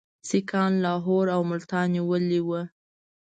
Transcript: سیکهان لاهور او ملتان نیولي ول.